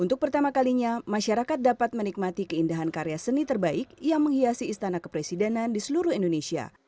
untuk pertama kalinya masyarakat dapat menikmati keindahan karya seni terbaik yang menghiasi istana kepresidenan di seluruh indonesia